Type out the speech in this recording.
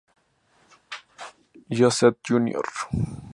Gossett Jr.